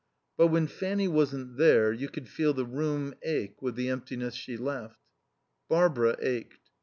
But when Fanny wasn't there you could feel the room ache with the emptiness she left. Barbara ached.